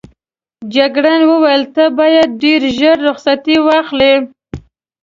جګړن وویل ته باید ډېر ژر رخصتي واخلې.